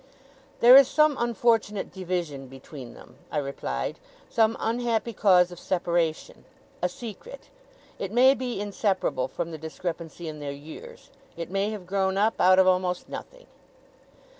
'There is some unfortunate division between them,' I replied. 'Some unhappy cause of separation. A secret. It may be inseparable from the discrepancy in their years. It may have grown up out of almost nothing.